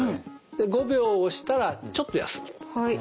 で５秒押したらちょっと休む。